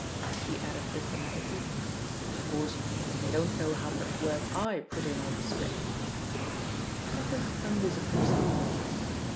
He added diplomatically, "Of course, they don't know how much work I put in on the scrip I" Tatham unbosomed himself.